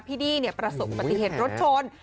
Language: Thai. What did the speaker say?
พี่ดี้ประสุปบติเหตุรถชน